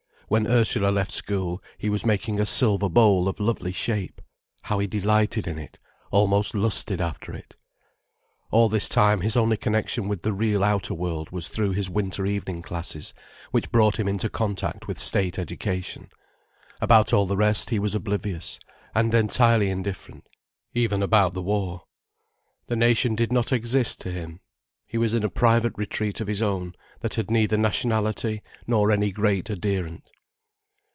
When Ursula left school, he was making a silver bowl of lovely shape. How he delighted in it, almost lusted after it. All this time his only connection with the real outer world was through his winter evening classes, which brought him into contact with state education. About all the rest, he was oblivious, and entirely indifferent—even about the war. The nation did not exist to him. He was in a private retreat of his own, that had neither nationality, nor any great adherent.